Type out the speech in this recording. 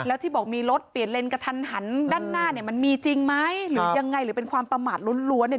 แล้วที่บอกมีรถเปลี่ยนเลนกระทันหันด้านหน้าเนี่ยมันมีจริงไหมหรือยังไงหรือเป็นความประมาทล้วนเนี่ย